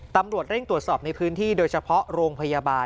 ตำรวจเร่งตรวจสอบในพื้นที่โดยเฉพาะโรงพยาบาล